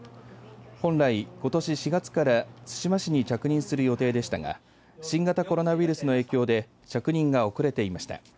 本来、ことし４月から対馬市に着任する予定でしたが新型コロナウイルスの影響で着任が遅れていました。